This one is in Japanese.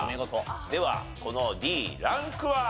ではこのＤランクは？